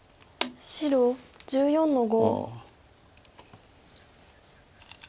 白１４の五。